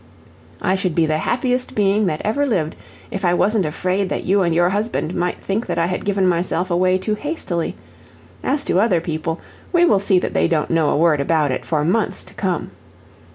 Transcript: I should be the happiest being that ever lived, if I wasn't afraid that you and your husband might think that I had given myself away too hastily. As to other people, we will see that they don't know a word about it for months to come.